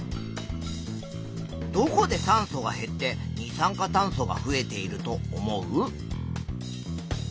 どこで酸素は減って二酸化炭素が増えていると思う？